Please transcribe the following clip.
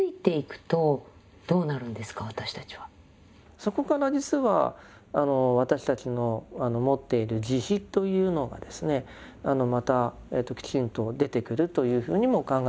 そこから実は私たちの持っている慈悲というのがですねまたきちんと出てくるというふうにも考えることができます。